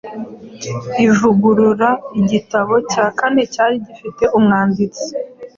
Ivugurura Igitabo cya kane cyari gifite umwanditsi